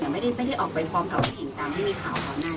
ไม่ได้ไม่ได้ออกไปพร้อมกับผู้หญิงตามไม่มีข่าวของนั่น